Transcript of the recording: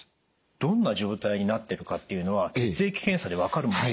どんな状態になってるかっていうのは血液検査で分かるもんなんですか？